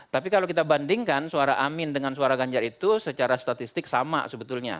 tapi kalau kita bandingkan suara amin dengan suara ganjar itu secara statistik sama sebetulnya